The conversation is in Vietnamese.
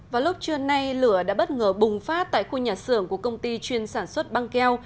vào lúc trưa nay lửa đã bất ngờ bùng phát tại khu nhà xưởng của công ty chuyên sản xuất băng keo